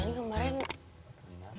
aku makan di sana